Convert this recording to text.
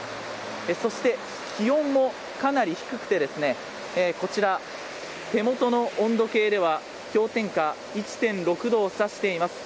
そして、気温もかなり低くてこちら、手元の温度計では氷点下１．６度をさしています。